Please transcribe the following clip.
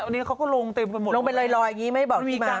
แล้วตอนนี้เขาก็ลงเต็มไปหมดลงไปลอยอย่างงี้ไม่ได้บอกที่ไหม